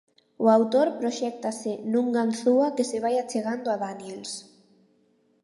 O autor proxéctase nun Ganzúa que se vai achegando a Daniels.